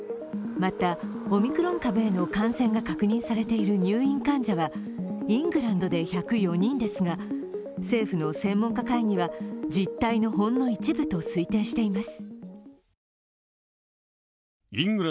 また、オミクロン株への感染が確認されている入院患者はイングランドで１０４人ですが政府の専門家会議は、実態のほんの一部と推定しています。